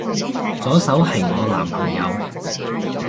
左手係我男朋友